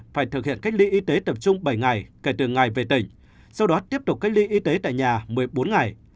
phải thực hiện cách ly y tế tập trung bảy ngày kể từ ngày về tỉnh sau đó tiếp tục cách ly y tế tại nhà một mươi bốn ngày